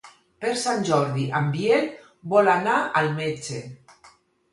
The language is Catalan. Per Sant Jordi en Biel vol anar al metge.